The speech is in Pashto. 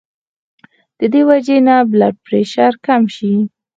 د دې وجې نه بلډ پرېشر کم شي